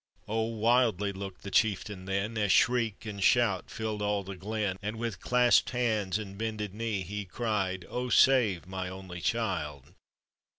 Oh wildly looked the chieftain then As shriek and shout filled all the glon ; And with clasped hands and bended knee, He cried, "Oh save my only child